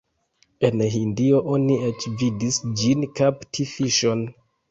En Hindio oni eĉ vidis ĝin kapti fiŝon.